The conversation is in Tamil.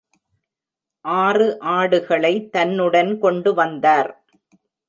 ஆறு ஆடுகளை தன்னுடன் கொண்டு வந்தார்.